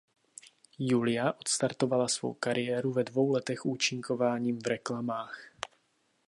Julia odstartovala svou kariéru ve dvou letech účinkováním v reklamách.